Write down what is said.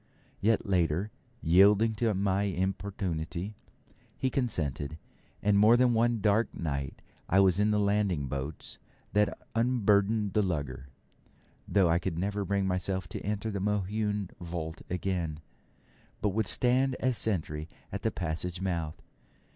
Yet, later, yielding to my importunity, he consented; and more than one dark night I was in the landing boats that unburdened the lugger, though I could never bring myself to enter the Mohune vault again, but would stand as sentry at the passage mouth.